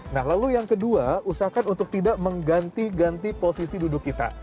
nah lalu yang kedua usahakan untuk tidak mengganti ganti posisi duduk kita